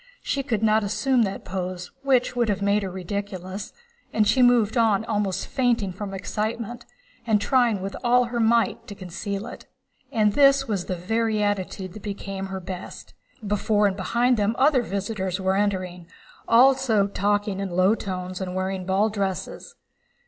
She could not assume that pose, which would have made her ridiculous, and she moved on almost fainting from excitement and trying with all her might to conceal it. And this was the very attitude that became her best. Before and behind them other visitors were entering, also talking in low tones and wearing ball dresses.